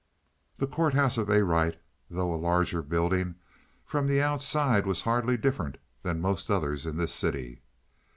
The court house of Arite, though a larger building, from the outside was hardly different than most others in the city.